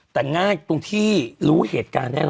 แต่ง่ายตรงที่รู้เหตุการณ์แน่นอน